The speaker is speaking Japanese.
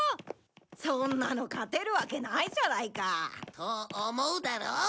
そんなの勝てるわけないじゃないか。と思うだろ？